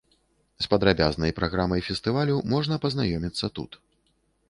З падрабязнай праграмай фестывалю можна пазнаёміцца тут.